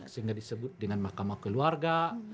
sehingga disebut dengan mahkamah keluarga